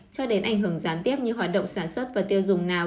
cho đến ảnh hưởng gián tiếp như hoạt động sản xuất và tiêu dùng nào